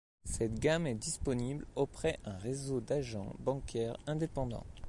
Cette gamme est disponible auprès un réseau d'agents bancaires indépendants.